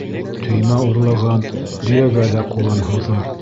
Төймә урлаған дөйәгә лә ҡулын һуҙыр.